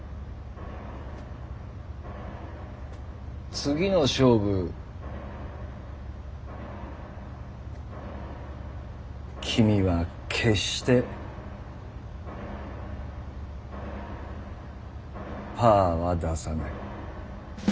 次の勝負君は決して「パー」は出さない。